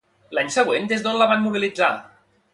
L'any següent, des d'on la van mobilitzar?